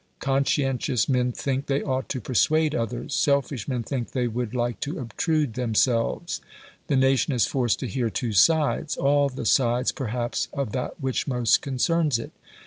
Conscientious men think they ought to persuade others; selfish men think they would like to obtrude themselves. The nation is forced to hear two sides all the sides, perhaps, of that which most concerns it.